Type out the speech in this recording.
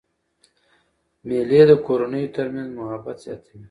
مېلې د کورنیو تر منځ محبت زیاتوي.